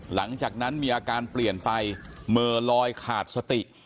หลังจากนั้นมีอาการเปลี่ยนไปเหม่อลอยขาดสติ